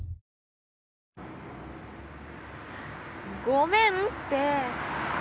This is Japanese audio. ごめんって。